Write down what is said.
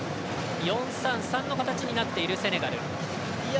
４‐３‐３の形になっているセネガル。